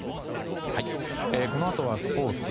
このあとはスポーツ。